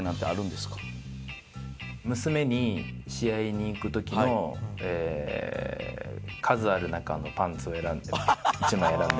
娘に試合に行く時の数ある中のパンツを１枚選んでもらうのが。